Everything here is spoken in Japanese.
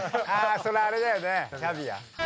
それあれだよねキャビア。